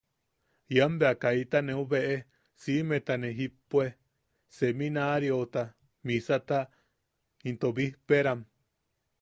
Ian bea kaita neu beʼe, siʼimeta ne jippue, seminaariota, misata into bijperam.